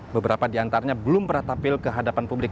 beberapa di antaranya belum pernah tampil ke hadapan publik